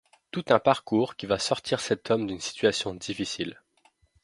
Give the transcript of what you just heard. Tout un parcours qui va sortir cet homme d'une situation difficile.